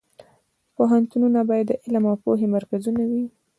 پوهنتونونه باید د علم او پوهې مرکزونه وي